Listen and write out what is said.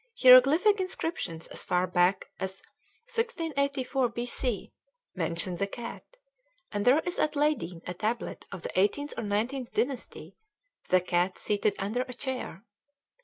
Hieroglyphic inscriptions as far back as 1684 B.C. mention the cat, and there is at Leyden a tablet of the eighteenth or nineteenth dynasty with a cat seated under a chair.